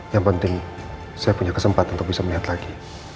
yang penting saya punya kesempatan untuk bisa melihat lagi